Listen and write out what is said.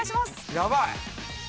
◆やばい。